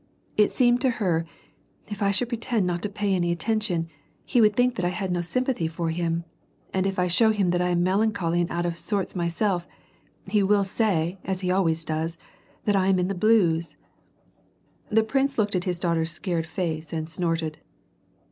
It seemed to hor, "If I should pretend not to pay any attention, he would think tliat I had no sympathy for him ; and if I show him that I am melancholy and out of sorts myself, he will say (as he always does), that Vm in the blues." The prince looked at his daughter's scared face and snorted.